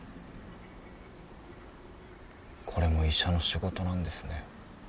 これも医者の仕事なんですね。